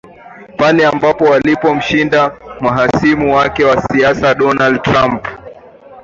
Pale ambapo alipomshinda mhasimu wake wa kisiasa Donald Trump